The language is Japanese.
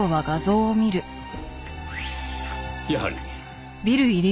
やはり。